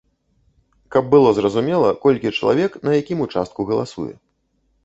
Каб было зразумела, колькі чалавек на якім участку галасуе.